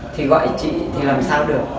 thì gọi chị thì làm sao được